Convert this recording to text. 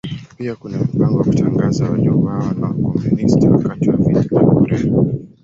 Pia kuna mipango ya kutangaza waliouawa na Wakomunisti wakati wa Vita vya Korea.